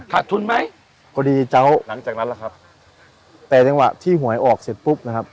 ทุนไหมพอดีเจ้าหลังจากนั้นล่ะครับแต่จังหวะที่หวยออกเสร็จปุ๊บนะครับ